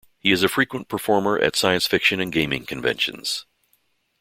He is a frequent performer at science fiction and gaming conventions.